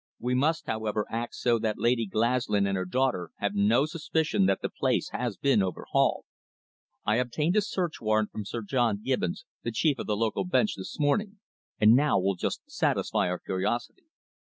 We must, however, act so that Lady Glaslyn and her daughter have no suspicion that the place has been overhauled. I obtained a search warrant from Sir John Gibbons, the chief of the local bench, this morning, and now we'll just satisfy our curiosity."